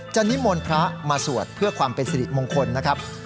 นิมนต์พระมาสวดเพื่อความเป็นสิริมงคลนะครับ